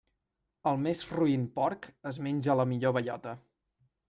El més roín porc es menja la millor bellota.